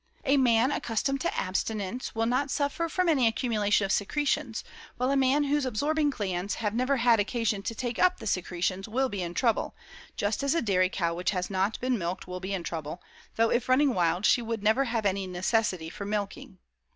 A man accustomed to abstinence will not suffer from any accumulation of secretions, while a man whose absorbing glands have never had occasion to take up the secretions will be in trouble; just as a dairy cow which has not been milked will be in trouble, though if running wild she would never have any necessity for milking.